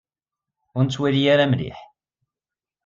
Ur nettwali ara mliḥ.